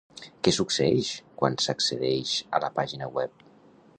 Què succeeix quan s'accedeix a la pàgina web?